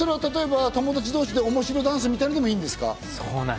友達同士でおもしろダンスでいいんです。